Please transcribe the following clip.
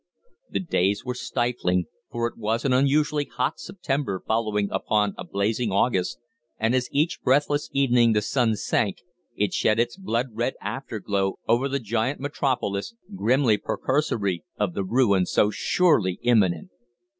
The days were stifling, for it was an unusually hot September following upon a blazing August, and as each breathless evening the sun sank, it shed its blood red afterglow over the giant metropolis, grimly precursory of the ruin so surely imminent.